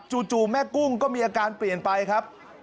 แม่กุ้งก็มีอาการเปลี่ยนไปครับ